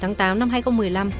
hắn đã trả lời hắn